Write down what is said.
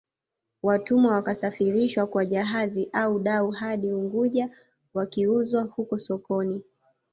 Watumwa wakasafirishwa kwa jahazi au dau hadi Unguja wakiuzwa huko sokoni